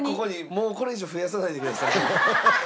もうこれ以上増やさないでください。